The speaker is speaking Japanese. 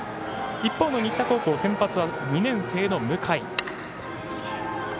一方の新田高校先発は２年生の向井。